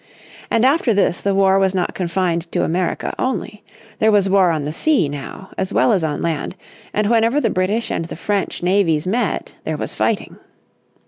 And after this the war was not confined to America only. There was war on the sea, now, as well as on land, and whenever the British and the French navies met there was fighting.